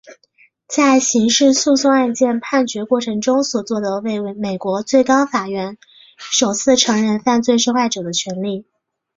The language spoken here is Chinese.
在刑事诉讼案件判决过程所做的为美国最高法院首次承认犯罪受害者的权利。